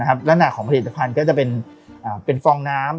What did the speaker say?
ด้านหน้าของผลิตภัณฑ์ก็จะเป็นฟองน้ำ